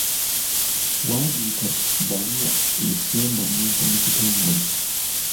Wandiika bbaluwa esemba omuntu mu kitongole.